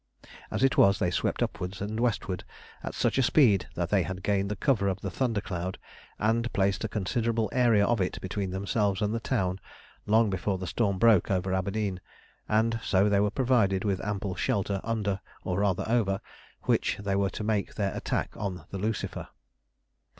As it was, they swept upwards and westward at such a speed that they had gained the cover of the thunder cloud, and placed a considerable area of it between themselves and the town, long before the storm broke over Aberdeen, and so they were provided with ample shelter under, or rather over, which they were to make their attack on the Lucifer.